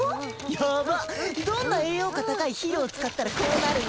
ヤバッどんな栄養価高い肥料使ったらこうなるの？